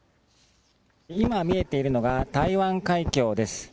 今、見えているのが台湾海峡です。